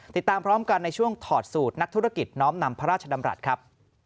ติดตามพร้อมกันในช่วงถอดสูตรนักธุรกิจน้อมนำพระราชดำรัฐครับ